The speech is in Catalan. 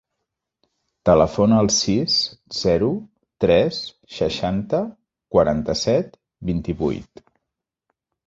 Telefona al sis, zero, tres, seixanta, quaranta-set, vint-i-vuit.